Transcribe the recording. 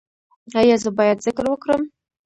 ایا زه باید ذکر وکړم؟